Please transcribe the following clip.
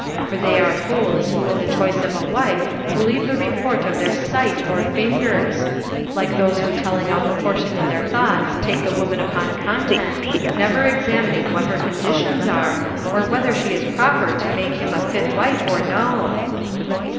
For they are fools who in the choice of a wife believe the re port of their sight or fingers ; like those who telling out the portion in their thoughts take the woman upon con tent, never examining what her conditions are, or whether she is proper to make him a fit wife or no